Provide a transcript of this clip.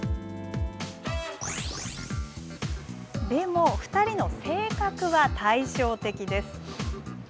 でも、２人の性格は対照的です。